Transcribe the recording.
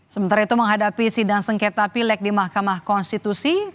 sementara itu menghadapi sidang sengketa pilek di mahkamah konstitusi